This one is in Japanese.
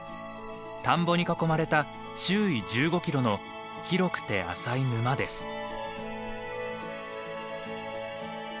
田んぼに囲まれた周囲１５キロの広くて浅い沼です。